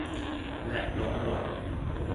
และล้มลง